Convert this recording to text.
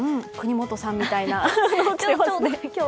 國本さんみたいな。